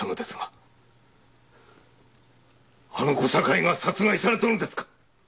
あの小堺が殺害されたのですか！？